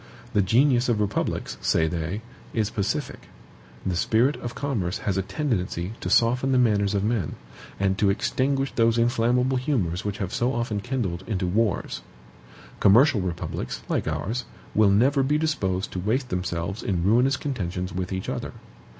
The genius of republics (say they) is pacific; the spirit of commerce has a tendency to soften the manners of men, and to extinguish those inflammable humors which have so often kindled into wars. Commercial republics, like ours, will never be disposed to waste themselves in ruinous contentions with each other.